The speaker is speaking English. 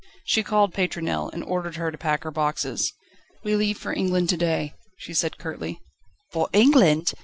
She called Pétronelle, and ordered her to pack her boxes. "We leave for England to day", she said curtly. "For England?"